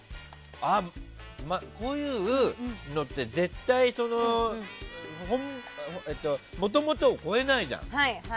こういうのって絶対もともとを超えないじゃん。